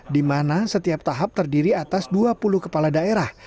di mana setiap tahap terdiri atas dua puluh kepala daerah